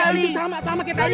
ini sama kayak tadi